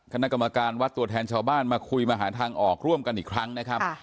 คณะกรรมการวัดตัวแทนชาวบ้านมาคุยมาหาทางออกร่วมกันอีกครั้งนะครับ